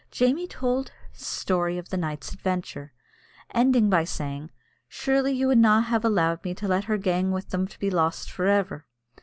Jamie told his story of the night's adventure, ending by saying, "Surely you wouldna have allowed me to let her gang with them to be lost forever?"